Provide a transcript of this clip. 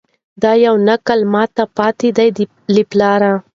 دا یو نکل ماته پاته دی له پلاره